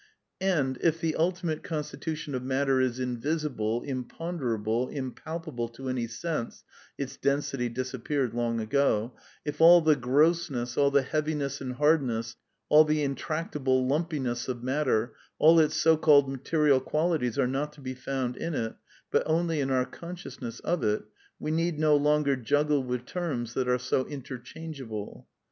And if the ulti mate constitution of matter is invisible, imponderable, im palpable to any sense (its density disappeared long ago) ; if all the grossness, all the heaviness and hardness, all the intractable lumpiness of matter, all its so called material qualities are not to be found in it, but only in our con sciousness of it, we need no longer juggle with terms that are so interchangeable.